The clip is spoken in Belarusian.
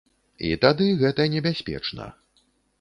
І тады гэта небяспечна.